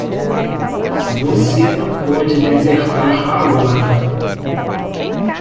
Você não pode desertar agora.